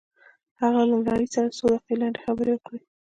هغه له رئيس سره څو دقيقې لنډې خبرې وکړې.